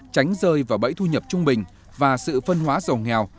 tránh rơi vào bẫy thu nhập trung bình và sự phân hóa giàu nghèo